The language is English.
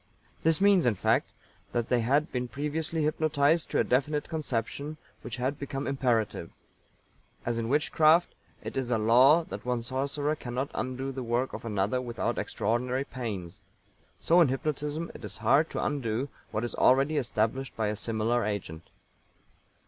This means, in fact, that they had been previously hypnotised to a definite conception which had become imperative. As in Witchcraft, it is a law that one sorcerer cannot undo the work of another without extraordinary pains; so in hypnotism it is hard to undo what is already established by a similar agent.